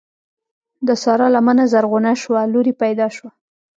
د سارا لمنه زرغونه شوه؛ لور يې پیدا شوه.